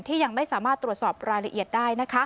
ยังไม่สามารถตรวจสอบรายละเอียดได้